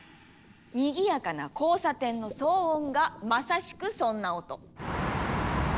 にぎやかな交差点の騒音がまさしくそんな音。